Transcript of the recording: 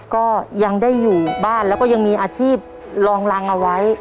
ก็ยังได้อยู่บ้านแล้วก็ยังมีอาชีพลองรังเอาไว้